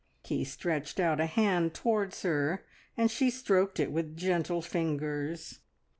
He stretched out a hand towards her, and she stroked it with gentle fingers.